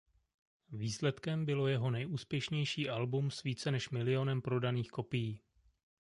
Výsledkem bylo jeho nejúspěšnější album s více než milionem prodaných kopií.